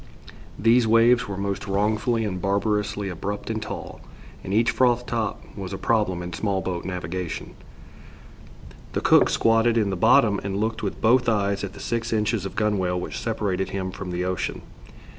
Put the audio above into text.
These waves were most wrongfully and barbarously abrupt and tall, and each froth top was a problem in small boat navigation. The cook squatted in the bottom and looked with both eyes at the six inches of gunwale which separated him from the ocean.